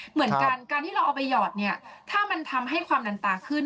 เหมือนกันการที่เราเอาไปหยอดเนี่ยถ้ามันทำให้ความดันตาขึ้น